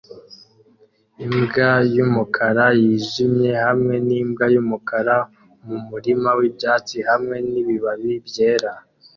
Imbwa yumukara nijimye hamwe nimbwa yumukara mumurima wibyatsi hamwe nibibabi byera